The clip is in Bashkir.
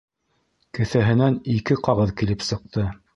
Кеҫәһенән ике ҡағыҙ килеп сыҡты.